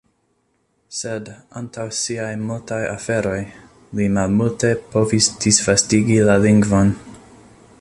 Sed, antaŭ siaj multaj aferoj, li malmulte povis disvastigi la lingvon.